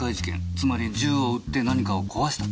つまり銃を撃って何かを壊したと。